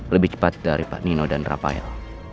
lebih cepat dari pak nino dan rafael